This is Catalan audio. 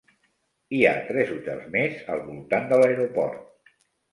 Hi ha tres hotels més al voltant de l'aeroport.